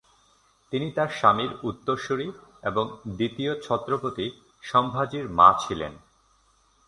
তিনি তার স্বামীর উত্তরসূরি এবং দ্বিতীয় ছত্রপতি সম্ভাজির মা ছিলেন।